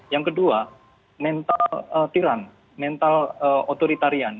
yang kedua mental tilang mental otoritarian